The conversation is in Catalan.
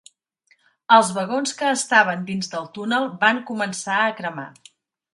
Els vagons que estaven dins del túnel van començar a cremar.